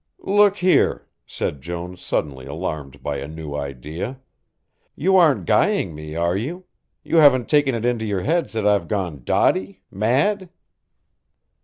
"Look here," said Jones suddenly alarmed by a new idea, "you aren't guying me, are you? you haven't taken it into your heads that I've gone dotty mad?"